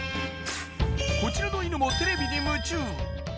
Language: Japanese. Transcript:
こちらの犬もテレビに夢中